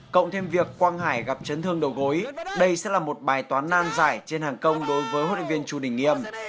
cộng thêm việc quang hải gặp trấn thương đầu gối đây sẽ là một bài toán nan giải trên hàng công đối với huấn luyện viên chu đình nghiêm